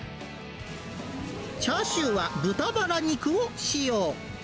チャーシューは豚バラ肉を使用。